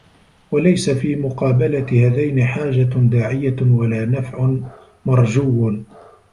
وَلَيْسَ فِي مُقَابَلَةِ هَذَيْنِ حَاجَةٌ دَاعِيَةٌ وَلَا نَفْعٌ مَرْجُوٌّ